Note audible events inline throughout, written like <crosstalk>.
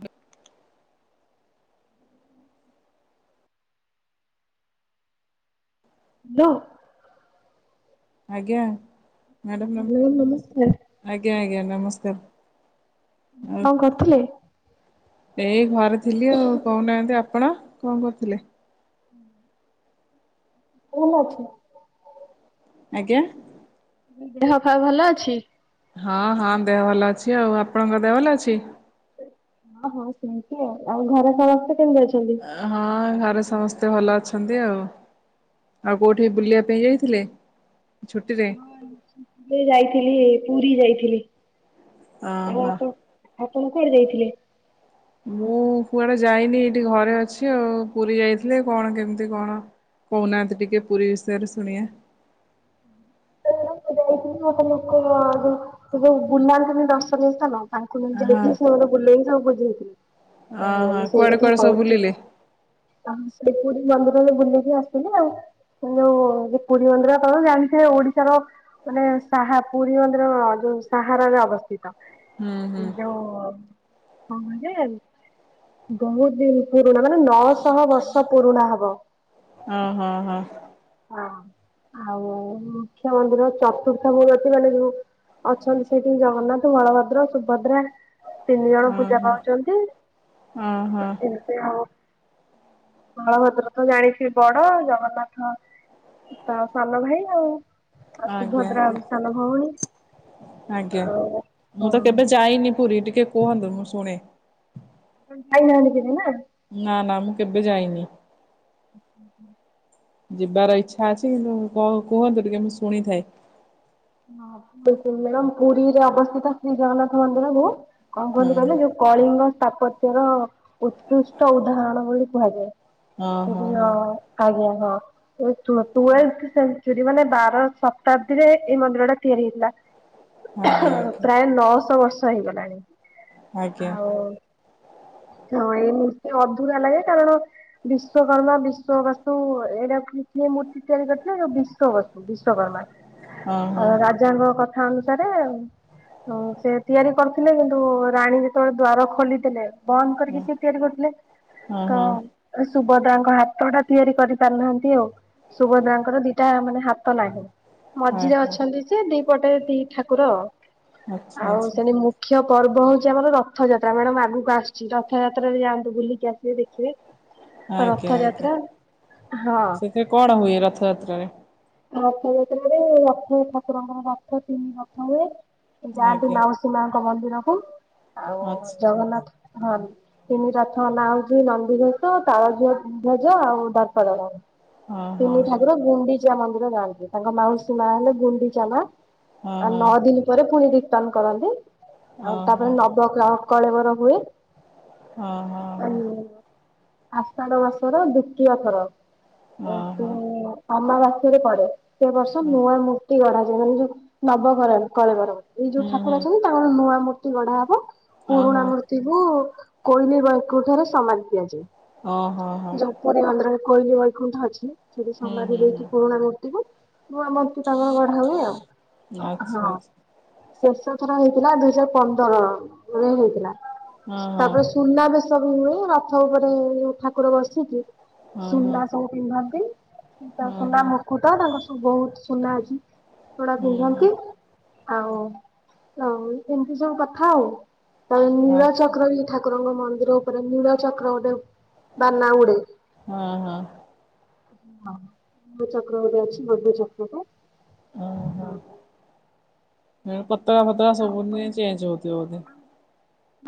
ବ ହଲୋ। ଆଜ୍ଞା madam ma'am ନମସ୍କାର ନମ ଆଜ୍ଞା ଆଜ୍ଞା ନମସ୍କାର। ଆଉ କଣ କରୁଥିଲେ? ଏଇ ଘରେ ଥିଲି। ଆଉ କହୁନାହାନ୍ତି ଆପଣ କଣ କରୁଥିଲେ? କୋଉ ଗଛ? ଆଜ୍ଞା। ଦେହ ପାହ ଭଲ ଅଛି? ହଁ ହଁ ଦେହ ଭଲ ଅଛି ଆଉ ଆପଣଙ୍କ ଦେହ ଭଲ ଅଛି? ହ ହୋ ସେମତି ଆଉ। ଆଉ ଘରେ ସମସ୍ତେ କେମିତି ଅଛନ୍ତି? ହଁ ଘରେ ସମସ୍ତେ ଭଲ ଅଛନ୍ତି ଆଉ। ଆଉ କଉଁଠି ବୁଲିବା ପାଇଁ ଯାଇଥିଲେ ଛୁଟିରେ? ହଁ ଏବେ ଯାଇଥିଲି ପୁରୀ ଯାଇଥିଲି। ଆଉ ଓହୋ। ଆପଣ? ଆପଣ କୁଆଡେ ଯାଇଥିଲେ? ମୁଁ କୁଆଡେ ଯାଇନି। ଏଇଠି ଘରେ ଅଛି। ଆଉ ପୁରୀ ଯାଇଥିଲେ କଣ କେମିତି କଣ କହୁନାହାନ୍ତି ଟିକେ ପୁରୀ ବିଷୟରେ ଶୁଣିବା। ଯାଇଥିଲି <unintelligible> ଲୋକ ଯୋଉ ସେ ଯୋଉ ବୁଲାନ୍ତିନି ଦର୍ଶନୀୟ ସ୍ଥାନ ତାଙ୍କୁ ନେଇ ହଁ। ଯାଇଥିଲି ସେ ମତେ ବୁଲେଇକି ସବୁ ବୁଝେଇଥିଲେ। ଓହୋ ମୁଁ ସେଇ କୁଆଡେ କଥା କୁଆଡେ ସବୁ କହୁଚି। ବୁଲିଲେ ତମ ସେ ପୁରୀ ମନ୍ଦିରରେ ବୁଲିକି ଆସିଲେ ଆଉ। ଏ ଯୋଉ ଯେ ପୁରୀ ମନ୍ଦିର ଆପଣ ଜାଣିଥିବେ ଓଡିଶାର। ମାନେ ସାହା ପୁରୀ ମନ୍ଦିର ଯୋଉ ସାହାରାରେ ଅବସ୍ଥିତ। ହୁଁ ଏଇ ହୁଁ। ଯୋଉ କଣ କହିଲେ? ବହୁତ ଦିନ ପୁରୁଣା ମାନେ ନଅଶହ ବର୍ଷ ପୁରୁଣା ହବ। ଓହୋ ହୋ ହଁ ଆଉ ମୁଖ୍ୟମନ୍ଦିର ଚା <unintelligible> ଏ ଯୋଉ ଅଛନ୍ତି ସେଇଠି ଜଗନ୍ନାଥ, ବଳଭଦ୍ର, ସୁଭଦ୍ରା। ତିନି ଜଣ ପୂଜା ଓହୋ ପାଉଚନ୍ତି ଓହୋ ଏମିତି ଆଉ। ବଳଭଦ୍ର ତ ଜାଣିଥିବେ ବଡ ଆଉ ଜଗନ୍ନାଥ ତ ସାନ ଭାଇ ଆଉ ଆଉ ଆଜ୍ଞା ସୁଭଦ୍ରା ଆଜ୍ଞା ସାନ ଭଉଣୀ ଆଜ୍ଞା ଆଉ ହଁ। ମୁଁ ତ କେବେ ଯାଇନି ପୁରୀ ଟିକେ କୁହନ୍ତୁ ମୁଁ ଶୁଣେ। ଆପଣ ଯାଇନାହାନ୍ତି କେବେ ନାଁ? ନା ନା ମୁଁ କେବେ ଯାଇନି। <inaudible> ଯିବାର ଇଚ୍ଛା ଅଛି କିନ୍ତୁ କ କୁହନ୍ତୁ ଟିକେ ମୁଁ ଶୁଣିଥାଏ। <unintelligible> ପୁରୀରେ ଅବସ୍ଥିତ ଶ୍ରୀ ଜଗନ୍ନାଥ ମନ୍ଦିର ଯୋଉ କଣ କୁହନ୍ତି କହିଲେ ହଁ ଯୋଉ। କଳିଙ୍ଗ ସ୍ଥାପତ୍ୟ ର ଉତ୍କୃଷ୍ଟ ଉଦାହରଣ ବୋଲି କୁହାଯାଏ। ହଁ ଆଜ୍ଞା ହଁ <unintelligible> ଚୁରି ମାନେ ବାର ଶତାବ୍ଦୀରେ ଏଇ ମନ୍ଦିର ଟା ତିଆରି ହେଇଥିଲା। ଆଜ୍ଞା ପ୍ରାୟ ନଅଶହ ବର୍ଷ ହେଇଗଲାଣି ଆଜ୍ଞା ଆଉ। ହଁ ଏଇ ମୂର୍ତ୍ତି ଅଧୁରା ଲାଗେ କାରଣ ବିଶ୍ଵକର୍ମା ବିଶ୍ୱବସ୍ତୁ ଏଇଟା କି କିଏ ମୂର୍ତ୍ତି ତିଆରି କରିଥିଲେ? ଯୋଉ ବିଶ୍ୱବସ୍ତୁ। ବିଶ୍ଵକର୍ମା ଆଜ୍ଞା ଅ ରାଜାଙ୍କ କଥା ଅନୁସାରେ ହଁ ସେ ତିଆରି କରୁଥିଲେ କିନ୍ତୁ ରାଣୀ ଯେତେବେଳେ ଦ୍ୱାର ଖୋଲିଦେଲେ ବନ୍ଦ ହଁ ହଁ କରିକି ହଁ ସିଏ ତିଆରି କରୁଥିଲେ ହଁ ତ ହଁ। ସୁଭଦ୍ରାଙ୍କ ହାତ ଟା ତିଆରି କରିପାରିନାହାନ୍ତି ଆଉ। ସୁଭଦ୍ରାଙ୍କର ଦିଟା ମାନେ ହାତ ନାହିଁ। ହଁ ମଝିରେ ହଁ ଅଛନ୍ତି ଯେ ଦି ପଟେ ଦି ଠାକୁର। ଆଚ୍ଛା ଆଉ ଆଚ୍ଛା ସେଣି ମୁ ମୁଖ୍ୟ ପର୍ବ ହଉଛି ଆମର ରଥଯାତ୍ରା। ମ୍ୟାଡାମ ଆଗକୁ ଆସୁଛି ରଥଯାତ୍ରାରେ ଯାଆନ୍ତୁ ବୁଲିକି ଆସିବେ ଦେଖିବେ। ରଥଯାତ୍ରା ହଁ। ସେ କଣ ହୁଏ ରଥଯାତ୍ରାରେ? ରଥଯାତ୍ରାରେ ଲକ୍ଷ୍ମୀ ଠାକୁରଙ୍କର ରଥ ତିନି ରଥ ହୁଏ ଯାଆନ୍ତି ଆଜ୍ଞା ମାଉସୀ ସୀମାଙ୍କ ମନ୍ଦିର ହଉ ଆଉ ଆଚ୍ଛା। ଜଗନ୍ନାଥ ହଁ। ତିନି ରଥ ନାଁ ହଉଛି ନନ୍ଦିଘୋଷ, ତାଳଧ୍ୱଜ, ଧ୍ବଜ ଆଉ ଦର୍ପଦଳନ। ହଁ ହଁ ତିନି ଠାକୁର ଗୁଣ୍ଡିଚା ମନ୍ଦିର ଯାଆନ୍ତି। ତାଙ୍କ ମାଉସୀ ମା ହେଲେ ଗୁଣ୍ଡିଚା ନା? ହଁ ଆଉ ହଁ ନଅ ହଁ ଦିନ ପରେ ପୁଣି ରିଟର୍ଣ କରନ୍ତି। ଆଉ ହଁ ତାପରେ ହଁ ନବ କଳେବର ହୁଏ। ହଁ ହଁ ହଁ। <unintelligible> ଆଷାଢ ମାସର ଦ୍ଵିତୀୟ ଥର ଓହୋ ଅମାବାସ୍ୟରେ ପଡେ। ସେ ବର୍ଷ ନୂଆ ମୂର୍ତ୍ତି ଗଢାଯାଏ। ମାନେ ଯୋଉ ନବକଳ କଳେବର। ଏଇ ଯୋଉ ହୁଁ ହୁଁ ଠାକୁର ଅଛନ୍ତି ତାଙ୍କର ନୂଆ ମୂର୍ତ୍ତି ଗଢା ହବ। ଓହୋ ପୁରୁଣା ମୂର୍ତ୍ତି ଥିବୁ କୋଇଲି ବୈକୁଣ୍ଠରେ ସମାଧି ଦିଆଯାଏ। ହଁ ହଁ ହଁ। ପରେ ମନ୍ଦିରରେ କୋଇଲି ବୈକୁଣ୍ଠ ଅଛି। ସେଠି ହୁଁ ସମାଧି ହୁଁ ହୁଁ ଦେଇକି ପୁରୁଣା ମୂର୍ତ୍ତିକୁ ମୁଁ ଆମକୁ <unintelligible> ତ ତମର ବଢା ହୁଏ ଆଉ ହଁ ଆଚ୍ଛା ଆଚ୍ଛା ଶେଷ ଥର ହେଇଥିଲା ଦୁଇ ଶହଜାର ପନ୍ଦର ରେ ହେଇଥିଲା ହଁ ତାପରେ ସୁନା ବେଶ ସବୁ ହୁଏ ରଥ ଉପରେ ଠାକୁର ବସିଚି। ହଁ ହଁ ସୁନା ସବୁ ପିନ୍ଧନ୍ତି ଇଟା ହଁ ହଁ ସୁନା ହଁ ମୁକୁଟ ତାଙ୍କର ସବୁ ବହୁତ ସୁନା ଅଛି। ପୋଡା ହୁଁ ପିନ୍ଧନ୍ତି ହୁଁ ଆଉ ନାଇଁ ଏମିତି ସବୁ କଥା ଆଉ। ତାେ ନୀଳ ଆଚ୍ଛା ଚକ୍ର ଇ ଠାକୁରଙ୍କ ମନ୍ଦିର ଉପରେ ନୀଳ ଚକ୍ର ଗୋଟେ ବାନା ଉଡେ। ହଁ ହଁ ହଁ ନୀଳଚକ୍ର ଗୋଟେ ଅଛି ଭଧ ଚକ୍ରକୁ। ଓ ହୋ ଏ ପତକା ଫତକା ସବୁ ଦିନ ଚେଞ୍ଜ ହଉଥିବ ବୋଧେ!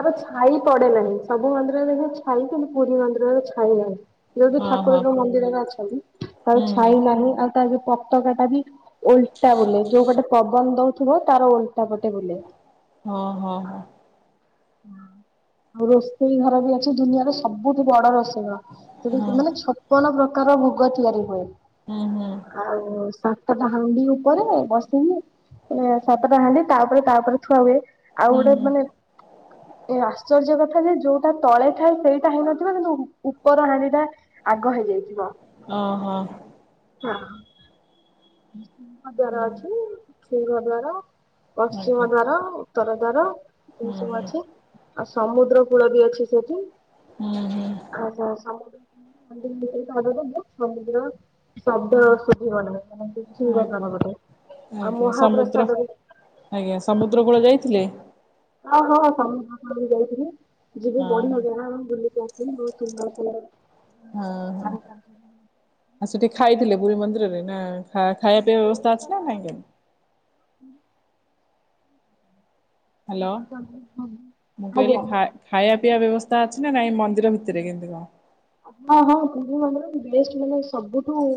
ଆର ଛାଇ ପଡେ ନାହିଁ ସବୁ ମନ୍ଦିରରେ ଦେଖିବା ଛାଇ ପଡେ କିନ୍ତୁ ପୁରୀ ମନ୍ଦିରରେ ଛାଇ ନାହିଁ। ଯୋଉଠି ହଁ ହଁ ଠାକୁରଙ୍କ ମନ୍ଦିରରେ ଅଛନ୍ତି ତାର ହୁଁ ହୁଁ ଛାଇ ନାହିଁ। ଆଉ ତାର ଯୋଉ ପତାକା ଟା ବି ଓଲଟା ବୁଲେ ଯୋଉ ପଟେ ପବନ ଦଉଥିବ ତାର ଓଲଟା ପଟେ ବୁଲେ। ହଁ ହଁ ହଁ ହଁ ଆଉ ରୋଷେଇ ଘର ବି ଅଛି ଦୁନିଆରେ ସବୁଠୁ ବଡ ରୋଷେଇ ସେଠି ହଁ ତି ମାନେ ଛପନ ପ୍ରକାର ଭୋଗ ତିଆରି ହୁଏ। ହୁଁ ହୁଁ ଆଉ ସାତଟା ହାଣ୍ଡି ଉପରେ ବସିକି ସାତଟା ହାଣ୍ଡି ତାପରେ ତାପରେ ଥୁଆ ହୁଏ ଆଉ ହୁଁ ଗୋଟେ ହୁଁ ମାନେ ଏ ଆଶ୍ଚର୍ଯ୍ୟ କଥା ଯେ ଯୋଉଟା ତଳେ ଥାଏ ସେଇଟା ହେଇନଥିବ କିନ୍ତୁ ଉପର ହାଣ୍ଡି ଟା ଆଗ ହେଇଯାଇଯିବ। ଓହୋ। ହ ଜାର ଅଛି। ସିଂହ ଦ୍ୱାର ଆଜ୍ଞା ପଶ୍ଚିମ ଦ୍ୱାର ଉତ୍ତର ଦ୍ୱାର ଏ ହୁଁ ସବୁ ହୁଁ ଅଛି। ଆଉ ସମୁଦ୍ର କୂଳ ବି ଅଛି ସେଠି। ହୁଁ ହୁଁ। ଆ ସମ ମନ୍ଦର ଭିତରେଲ ସମୁଦ୍ର <unintelligible> ଶବ୍ଦ ହୁଁ ଶୁଭିବନି ମାନେ ସିହ ଆଜ୍ଞା ଦ୍ଵାରପଟେ ଆଉ ଆଜ୍ଞା ସମୁଦ୍ର ମହାପ୍ରସାଦରେ ଆଜ୍ଞା ସମୁଦ୍ର କୂଳ ଯାଇଥିଲେ? ହଉ ହଁ ସମୁଦ୍ରକୂଳ ବି ଯାଇଥିଲି ଯିବି ହଁ ବଢିଆ ହଁ ଜାଗା ଆମେ ବୁଲି କି ଆ ମୁଁକଇନି ବହୁ ସୁନ୍ଦର ସେ ଜାଗା। ହଁ ହଁ ଆଉ ସେଠି ଖାଇଥିଲେ ପୁରୀ ମନ୍ଦିରରେ ନା ଖା ଖାଇବା ପିଇବା ବ୍ୟବସ୍ତା ଅଛି ନା ନାଇଁ? ହୁଁ। ହ୍ୟାଲୋ ସବୁ ସବୁ- ମୁଁ କାଇିଲି ଆଜ୍ଞା। ଖା ଖାଇବା ପିଇବା ବ୍ୟବସ୍ଥା ଅଛି ନା କାଇଁ ମନ୍ଦିର ଭିତରେ କେମିତି କଣ? ହଁ ହଁ ପୁରିମନ୍ଦିର <unintelligible> ସବୁଠୁ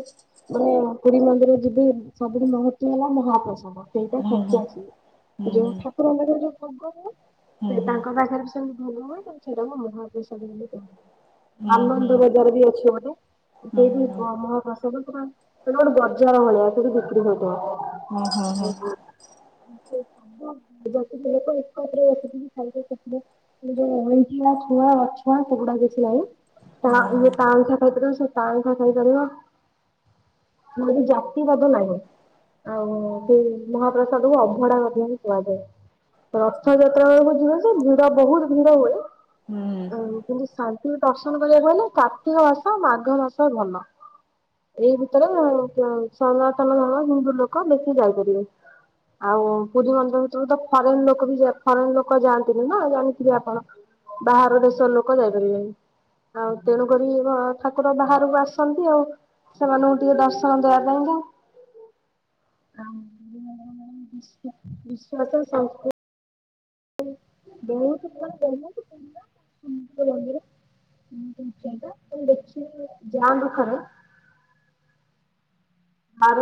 ମାନେ ପୁରୀ ମନ୍ଦିର ଯିବେ ସବୁଠି ମହତ୍ଵ ହେଲା ମହାପ୍ରସଦ। ସେଇଟା ହୁଁ ସଜି ହୁଁ ଆସିବି ଯୋଉ ଠାକୁରଙ୍କର ଯୋଉ ଭୋଗ ହ ସେ ହୁଁ ହୁଁ ତାଙ୍କ ପାଖରେ ହୁଁ ହୁଁ ଆନନ୍ଦବଜାର ବି ଅଛି ଗୋଟେ ହଁ ହଁ ସେଇଠି ମହାପସବ ପୁରା ସେଟା ଗୋଟେ ବଜାର ଭଳିଆ ସେଇଠି ବିକ୍ରି ହଉଥିବ। ହଁ, ହଁ, ହଁ ବାି ବ ଏକ ଅସ ଖାଇ <unintelligible> <unintelligible> ଛୁଆ ଅଛୁଆ ସେଗଡା କିଛି ନାାଇ ତା ହଁ ଇଏ ତାଆଇଁଠା ଖାଇପାରିବ ସେ ତା ଆଇଁଠା ଖାଇପାରିବ। ମାେ କହିଲି ଜାତି ବେଧ ନାହି। ଆଉ ସେ ମହାପ୍ରସାଦକୁୁ ଅବଡା ମଧ୍ୟ ହିଁ କୁହାଯାଏ। ରଥଯାତ୍ରା ବେଳକୁ ଯିବେ ସେ ଭିଡ ବହୁତ ଭିଡ ହୁଏ। ହଁ ହୁଁ ଉଁ କିନ୍ତୁ ଶାନ୍ତି ଦର୍ଶନ କରିବାକୁ ହେଲେ କାର୍ତ୍ତିକ ମାସ ମାଘ ମାସ ଭଲ। ଏଇ ଭିତରେ ସନାତନ ଧର୍ମ ହିନ୍ଦୁ ଲୋକ ବେଶି ଯାଇପାରିବେ। ଆଉ ପୁରୀ ମନ୍ଦିର ଭିତରକୁ ତ ଫରେନ ଲୋକ ବି ଫରେନ ଲୋକ ଯାଆନ୍ତିନି ନା ଜାଣିଥିବେ ଆପଣ। ବାହାର ଦେଶର ଲୋକ ଯାଇପାରିବେନି। ଆଉ ତେଣୁକରି ଠାକୁର ବାହାରକୁ ଆସନ୍ତି ଆଉ। ସେ ମାନଙ୍କୁ ଟିକେ ଦର୍ଶନ ଦେବା ପାଇଁକା। ବିଶ୍ଵାସ ସଂସ୍କୃତି ବହୁତ ବହୁ ହନ୍ଦ ଦେଖ ଯାଆନ୍ତୁ ଖରା <unintelligible> ଆ